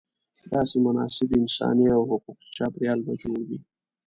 داسې مناسب انساني او حقوقي چاپېریال به جوړوې.